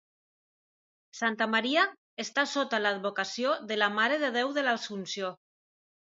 Santa Maria està sota l'advocació de la Mare de Déu de l'Assumpció.